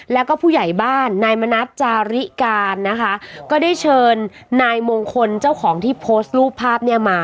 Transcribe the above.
แล้วก็ผู้ใหญ่บ้านนายมณัฐจาริการนะคะก็ได้เชิญนายมงคลเจ้าของที่โพสต์รูปภาพเนี่ยมา